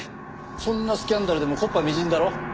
そんなスキャンダルでも木っ端みじんだろ？